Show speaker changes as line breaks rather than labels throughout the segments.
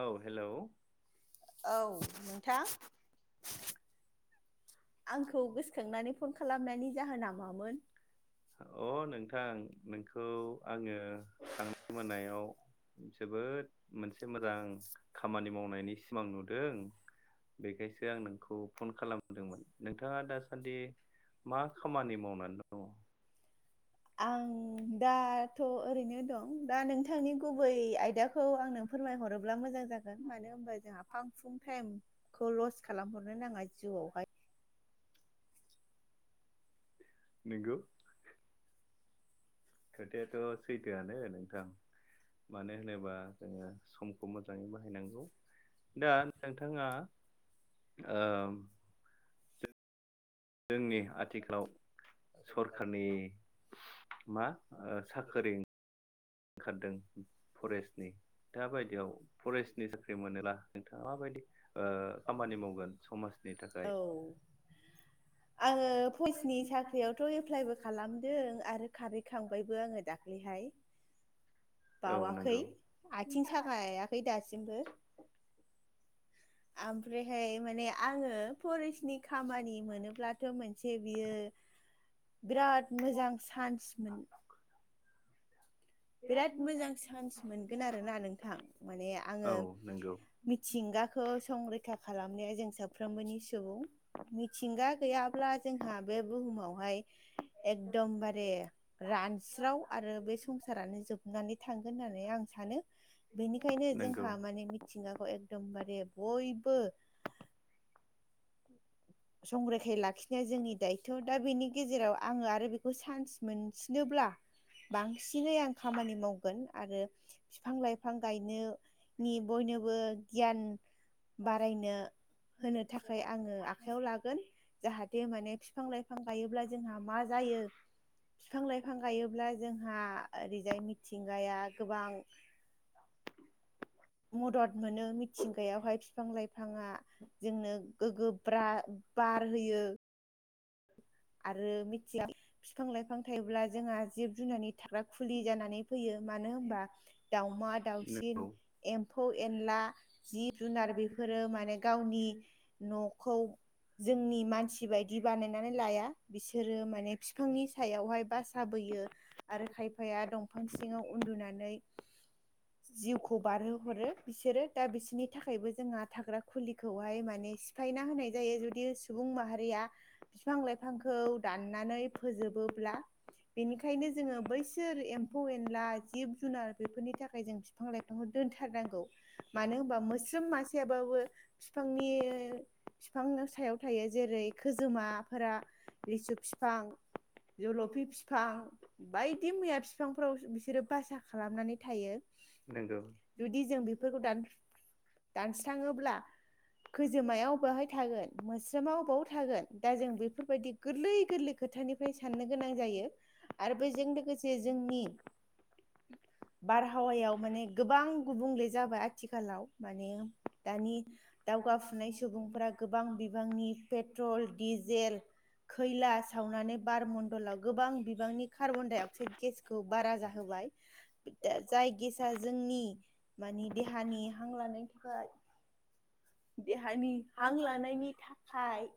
औ हेलौ
औ नोंथां। आंखौ गोसोखांनानै फन खालामनायनि जाहोना मामोन?
अ नोंथां नोंखौ आङो थांनाय मोनायाव जोबोद मोनसे मोजां खामानि मावनायनि सिमां नुदों। बेखायसो आं नोंखौ फन खालामदोंमोन। नोंथाङा दासान्दि मा खामानि मावनानै दङ?
आं दाथ' ओरैनो दं दा नोंथांनि गुबै आयदाखौ आंनो फोरमायहरोब्ला मोजां जागोन मानो होनबा जोंहा फां फुं टाइम खौ लस खालामहरनो नाङा जिउआवहाय।
नोंगौ। खोथायाथ' सैथोआनो नोंथां। मानो होनोब्ला जोङो समखौ मोजाङै बाहायनांगौ। दा नोंथाङा ओ
जों
जोंनि आथिखालाव सरखारनि मा साख्रि ओंखारदों फरेस्टनि दाबायदियाव फरेस्टनि साख्रि मोनोब्ला नोंथाङा माबायदि ओ खामानि मावगोन समाजनि
औ
थाखाय
आङो पइसनि साख्रियावथ' एप्लाइबो खालामदों आरो खारहैखांबायबो आङो दाख्लैहाय।
औ
बावाखै
नंगौ
आथिं साखायाखै दासिमबो। ओमफ्रायहाय माने आङो फरेस्टनि खामानि मोनोब्लाथ' मोनसे बियो बिराद मोजां चान्स मोन। बिराद मोजां चान्स मोनगोन आरोना नोंथां माने आङो
औ नंगौ
मिथिंगाखौ संरैखा खालामनाया जों साफ्रोमबोनि सुबुं मिथिंगा गैयाब्ला जोंहा बे बुहुमावहाय एकदमबारे रानस्राव आरो बे संसा रानो जोबनानै थांगोन होननानै आं सानो बेनिखायनो
नंगौ
जोंहा माने मि थिंगाखौ एकदमबारे बयबो संरैखायै लाखिनाया जोंनि दायथ' दा बेनि गेजेराव आङो आरो बेखौ चान्स मोनसिनोब्ला बांसिनै आं खामानि मावगोन। आरो बिफां लाइफां गायनोनि बयनोबो गियान बारायनो होनो थाखाय आङो आखयाव लागोन। जाहाथे माने बिफां लाइफां गायोब्ला जोंहा मा जायो बिफां लाइफां गायोब्ला जोंहा ओरैजाय मिथिंगाया गोबां
[inaudible]
मदद मोनो मिथिंगायावहाय बिफां लाइफाङा जोंनो गोगोब्रा बार होयो। आरो मिथिया बिफां लाइफां थायोब्ला जोंहा जिब जुनारनि थाग्रा खुलि जानानै फैयो मानो होमबा दाउमा दाउसिन
नंगौ
एम्फौ एनला जिब जुनार बेफोरो माने गावनि न'खौ जोंनि मानसि बायदि बानायनानै लाया बिसोरो माने फिफांनि सायावहाय बासाबोयो आरो खायफाया दंफां सिङाव उन्दुनानै जिउखौ बारहो हरो बिसोरो दा बिसोरनि थाखायबो जोंहा थाग्रा खुलिखौहाय माने सिफायना होनाय जायो जुदि सुबुं माहारिया फिफां लाइफां खौ दाननानै फोजोबोब्ला बेनिखायनो जोङो बैसोर एम्फौ एनला जिब जुनार बेफोरनि थाखाय जों फि बिफां लाइफांखौ दोनथारनांगौ। मानो होनबा मोस्रोम मासेयाबाबो बिफांनि बिफां सायाव थायो जेरै खोजोमाफोरा लिसु फिफां जलफि फिफां बायदि मैया फिफांफोराव बिसोरो बासा खालामनानै थायो
नंगौ
जुदि जों बेफोरखौ दान दानस्राङोब्ला खोजोमाया अबाहाय थागोन मोस्रोमा अबाव थागोन दा जों बे बेफोरबायदि गोरलै गोरलै खोथानिफ्राय साननो गोनां जायो आरो बेजों लोगोसे जोंनि बारहावायाव माने गोबां गुबुंले जाबाय आथिखालाव माने दानि दावगाफुनाय सुबुंफोरा गोबां बिबांनि पेट्रल डिजेल खैला सावनानै बारमणडलाव गोबां बिबांनि कार्बन डाइ अक्साइद गेसखौ बारा जाहोबाय दा जाय गेसआ जोंनि मानि देहानि हां लानायनि थाखाय देहानि हां लानायनि थाखाय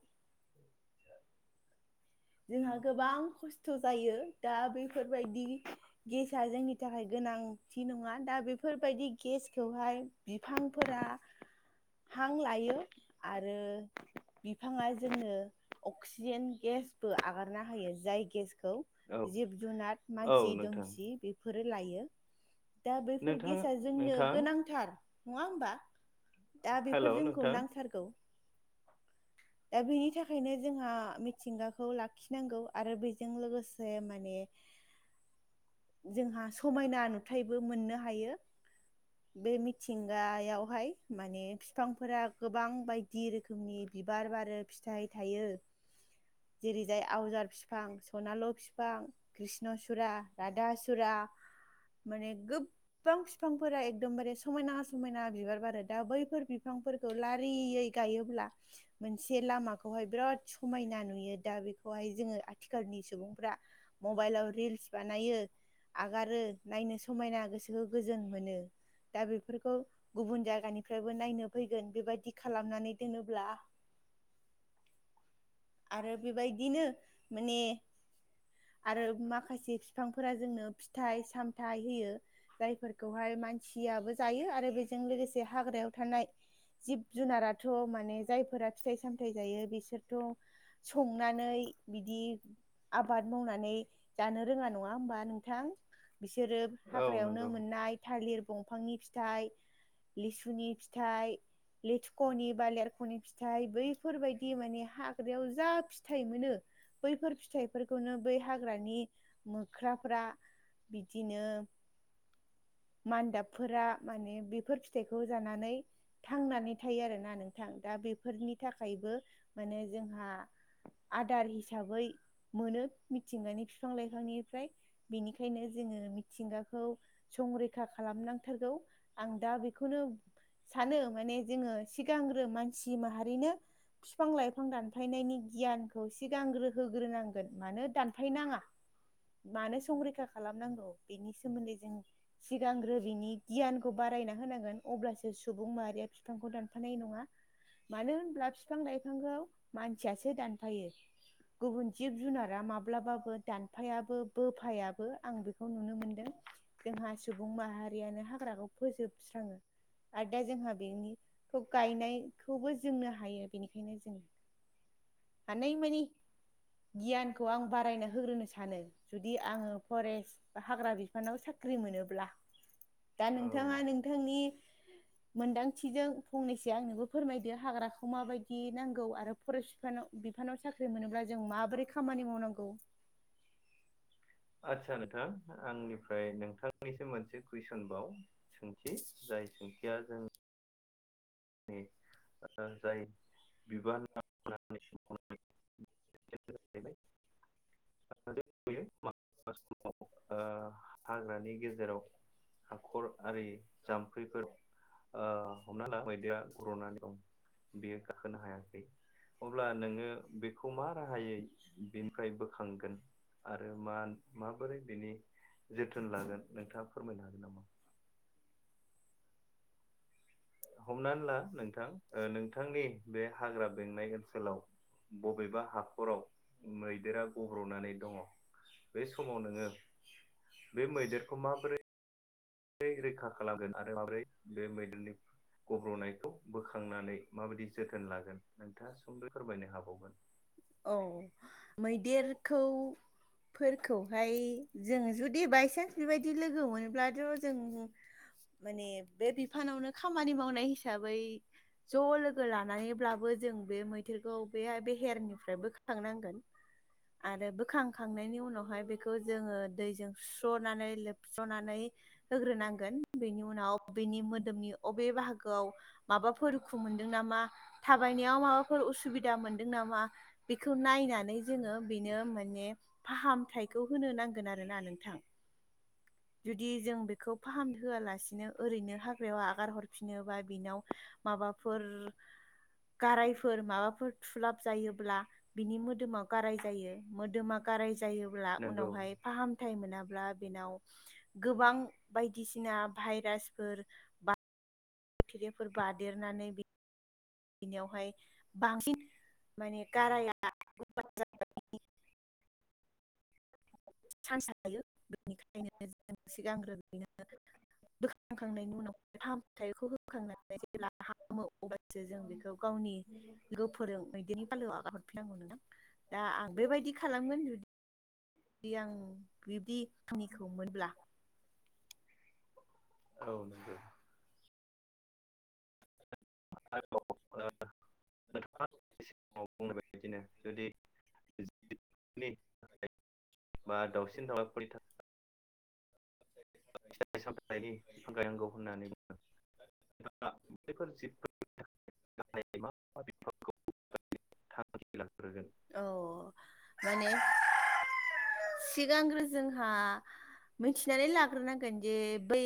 जोंहा गोबां खस्थ जायो दा बेफोरबायदि गेसाआ जोंनि थाखाय गोनांथि नङा दा बेफोरबायदि गेसखौहाय बिफांफोरा हां लायो आरो बिफाङा जोंनो अक्सिजेन गेस बो आगारना होायो जाय गेसखौ
औ
जिब जुनार
औ
मानसि
नोंथां
दुमसि फोरो लायो दा बैफोर
नोंथां
गेस जोंनो
नोंथां
गोनांथार नङा होमबा दा
हेलौ
बेफोर जोंखौ
नोंथां
नांथारगौ दा बेनि थाखायनो जोंहा मिथिंगाखौ लाखिनांगौ आरो बे जों लोगोसे मान जोंहा समायना नुथाय बो मोननो हायो बे मिथिंगायावहाय माने फिफांफोरा गोबां बायदि रोखोमनि बिबार बारो फिथाइ थायो जेरैजाय आवजार फिफां सनाल फिफां कृष्ण सुरा रधा सुरा माने गोब बां फिफांफोरा एकदमबारे समायना समायना बिबार बारो दा बैफोर बिफांफोरखौ लारियै गायोब्ला मोनसे लामाखौहाय बिराद समायना नु दा बेखौहाय जोङो आथिखालनि सुबुंफ्रा मबाइलाव रिल्स बानायो आगारो नायनो समायना गोसोखौ गोजोन मोनो दा बेफोरखौ गुबुन जायगानिफ्रायबो नायनो फैगोन बेबायदि खालामनानै दोनोब्ला आरो बेबायदिनो माने आरो माखासे बिफांफोरा जोंनो फिथाइ सामथाइ होयो जायफोरखौहाय मानसियाबो जायो आरो बेजों लोगोसे हाग्रायाव थानाय जिब जुनाराथ माने जायफोरा फिथाइ सामथाइ जायो बिसोरथ संनानै बिदि आबाद मावनानै जानो रोङा नङा होमबा नोंथां? बिसोरो
औ
हाग्रायावनो
नंगौ
मोननाय थालिर बंफांनि फिथाइ लिसुनि फिथाइ लेथुख नि बा लेरख नि फिथाइ बैफोरबायदि माने हा ग्रायाव जा फिथाइ मोनो बैफोर फिथाइफोरखौनो बै हाग्रानि मोख्राफ्रा बिदिनो मान्दाबफोरा माने बेफोर फिथाइखौ जानानै थांनानै थायो आरोना नोंथां दा बेफोरनि थाखायबो माने जोंहा आदार हिसाबै मोनो मिथिंगानि बिफां लाइफांनिफ्राय बेनिखायनो जोङो मिथिंगाखौ संरैखा खालामनां थारगौ आं दा बेखौनो सानो माने जोङो सिगांग्रो मानसि माहारिनो बिफां लाइ फां दानफायनायनि गियानखौ सिगांग्रो होग्रोनांगोन मानो दानफायनाङा मानोे संरैखा खालामनांगौ बेनि सोमोन्दै जों सिगांग्रो बिनि गियानखौ बारायना होनांगोन अब्लासो सुबुं माहारिया बिफांखौ दानफानाय नङा मानो होनब्ला बिफां लाइफांखौ मानसियासो दानफायो। गुबुन जिब जुनारा माब्लाबाबो दानफायाबो बोफायाबो आं बेखौ नुनो मोनदों। जोंहा सुबुं माहारियानो हाग्रा फोजोबस्राङो आरो दा जोंहा बेनिखौ गायनायखौबो जोंनो हायो। बेनिखायनो जोङो हानाय मानि गियानखौ आं बारायना होग्रोनो सानो जुदि आङो फरेस्ट बा हाग्रा बिफानाव साख्रि ख्रि मोनोब्ला दा
औ
नोंथाङा नोंथांनि मोनदांथिजों फंनैसो आंनोबो फोरमायदो हाग्राखौ माबायदि नांगौ आरो फरेस्ट बिफानाव बिफानाव साख्रि मोनोब्ला जों माबोरै खामानि मावनांगौ।
आदसा नोंथां आंनिफ्राय नोंथांनिसिम मोनसे कुइसन बाव सोंथि जाय सोंथिया जों जाय बिबान थानानै [unintelligible] समाव हाग्रानि गेजेराव हाखर आरि जाम्फैफोर ओ हमना ला मैदेरा गब्रना दं बेयो गाखोनो हायाखै अब्ला नोङो बेखौ मा राहायै बेनिफ्राय बो खांगोन आरो मा माबोरै बेनि जोथोन लागोन नोंथाङा फोरमायनो हागोन नामा? हमनानै ला नोंथां नोंथांनि बे हाग्रा बेंनाय ओनसोलाव बबेबा हाखराव मैदेरा गब्र'नानै दङ बे समाव नोङो बे मैदेरखौ माबोरै रैखा खालामगोन आरो माब्रै बे मैदेरनि गब्र'नायखौ बोखांनानै माबायदि जोथोन लागोन नोंथाङा सुंद'यै फोरमायनो हाबावगोन।
औ मैदेरखौ फोरखौहाय जोङो जुदि बायसान्स बेबायदि लोगो मोन्लाथ' जों माने बे बिफानावनो खामानि मावनाय हिसाबै हिाबै ज' लोगो लानानैब्लाबो जों बे मै देररखौ बे बेहेरनिफ्राय बोखांनांगोन। आरो बोखांखांनायनि उनावहाय बेखौ जोङो दैजों सुस्र'नानै लोबस्रनानै होग्रोनांगोन बेनि उनाव बेनि मोदोमनि अबे बाहागोआव माबाफोर दुखु मोनदों नामा थाबायनायाव माबाफोर उसुबिदा मोनदों नामा बेखौ नायनानै जोङो बेनो माने फाहामथायाइखौ होनो नांगोन आरोना नोंथां। जुदि जों बेखौ फाहाम होोआलासिनो ओरैनो हाग्रायाव आ हगारहरफिनोबा बिनाव माबाफोर गारायफोर माबाफोर थुलाब जायोब्ला बिनि मोदोमाव गाराय जायो मोदोमा गाराय जायोब्ला
नंगौ
उनावहाय फाहामथायाइ मोनाब्ला बेनाव गोबां बायदिसिना भाइरासफोर थिफोर बादेरनानै बिनियावहाय बांसिन माने गाराया चान्स हायो बेनिखायनो ज सिगांग्रो बोखांखांनायनि उनाव फाहामथायाइखौ होखांनानै जेब्ला हामो अब्लासो जों बेखौ गावनि लोगो फोरों मदेरनि फालोआव आगा हरफिनांगौ नोंदां दा आं बेबायदि खालामगोन। जुदि आं बिब्दि [unintelligible]
औ नंगौ। [unintelligible] [unintelligible] बा दाावसिन दावलाफोरनि था थ फिथाइ सामनि बिफां गायनांगौ होननानै बुङो। [unintelligible]
औ माने
[unintelligible]
सिगांग्रो जोंहा थिनानै ला लाग्रो नांगोन जे बै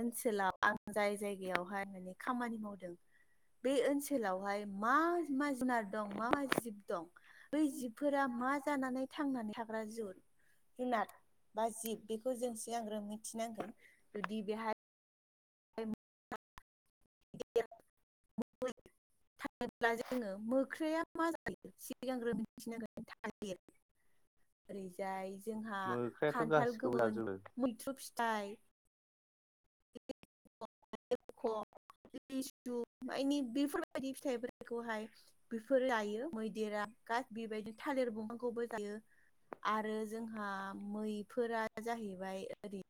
ओनसोलाव आं जाय जायगायावहाय माने खामानि मावदों
[inaudible]
बे ओनसोलावहाय मा मा जुनार दं मा मा जिब दं, बै जिबफोरा मा जानानै थांनानै [unintelligible] जुनार बा जिब बेखौ जों सिगांग्रो मिथिनांगोन जुदि बेहाय [inaudible] [unintelligible]
[inaudible]
थायोब्ला जोङो मोख्रया मा जायो सिगांग्रोम मि मिथिनांगोन थालिर,
[inaudible]
ओरैजाय जोंहा
मोख्रायाथ'
खान्थाल
गासिखौबो
गोमोन
जाजोबो
मैथ्रु फिथाइ, [unintelligible] बेफोरबायदि फिथाइफोरथाइखौहाय बेफोर लायो मैदेरा गास बेबायदिनो थालिर दंफांखौबो जायो। आरो जोंहा मैफोरा जाहैबाय ओरै